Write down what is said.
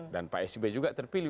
dan pak sgb juga terpilih